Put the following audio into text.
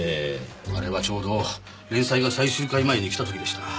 あれはちょうど連載が最終回前に来た時でした。